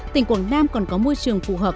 tỉnh quang nam còn có môi trường phù hợp